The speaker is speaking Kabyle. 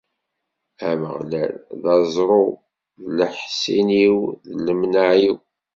Ameɣlal, d aẓru-w, d leḥṣin-iw, d lemneɛ-iw.